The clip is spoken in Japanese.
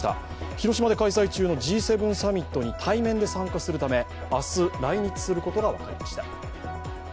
広島で開催中のＧ７サミットに対面で参加するため明日来日することが分かりました。